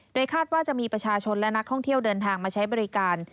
โดยคาดว่าจะมีประชาชนและนักท่องเที่ยวเดินทางมาใช้บริการ